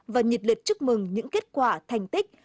và nhiệt liệt chúc mừng những kết quả thành tích